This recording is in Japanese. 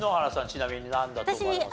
ちなみになんだと思います？